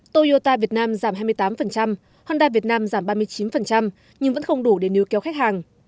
toyota việt nam giảm hai mươi tám honda việt nam giảm ba mươi chín nhưng vẫn không đủ để nưu kéo khách hàng